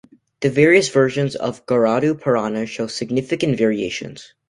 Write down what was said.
The various versions of Garuda Purana show significant variations.